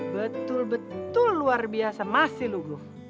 betul betul luar biasa masih luguh